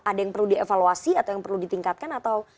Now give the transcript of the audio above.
ada yang perlu dievaluasi atau yang perlu ditingkatkan atau